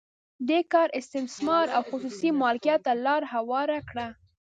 دې کار استثمار او خصوصي مالکیت ته لار هواره کړه.